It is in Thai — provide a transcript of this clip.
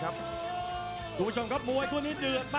คุณผู้ชมครับมวยคู่นี้เดือดมาก